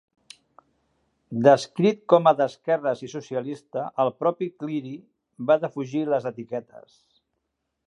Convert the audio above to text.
Descrit com a d'esquerres i socialista, el propi Cleary va defugir les etiquetes.